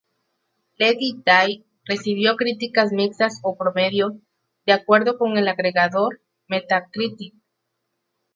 Let It Die recibió críticas "mixtas o promedio", de acuerdo con el agregador Metacritic.